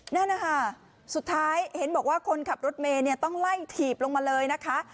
นั่นนะคะสุดท้ายเห็นบอกว่าคนขับรถเมย์ต้องไล่ถีบลงมาเลยนะคะ